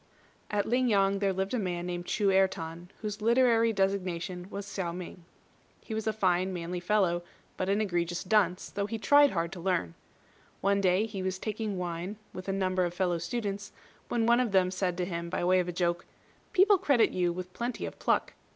At Ling yang there lived a man named Chu Erh tan, whose literary designation was Hsiao ming. He was a fine manly fellow, but an egregious dunce, though he tried hard to learn. One day he was taking wine with a number of fellow students, when one of them said to him, by way of a joke, "People credit you with plenty of pluck.